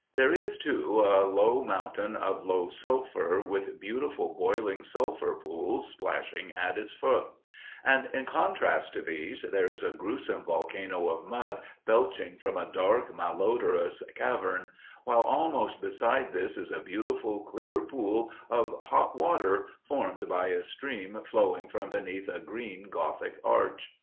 There is, too, a low mountain of pure sulphur, with beautiful boiling sulphur pools splashing at its foot; and, in contrast to these, there is a gruesome volcano of mud belching from a dark, malodorous cavern, while almost beside this is a beautiful, clear pool of hot water formed by a stream flowing from beneath a green Gothic arch.